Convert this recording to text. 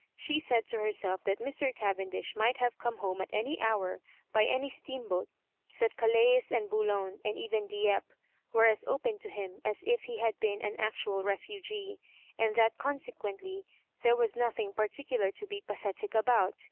She said to herself that Mr. Cavendish might have come home at any hour, by any steamboat ; that Calais and Boulogne, and even Dieppe, were as open to him as if he had been an actual refugee, and that consequently there was nothing particular to be pathetic about.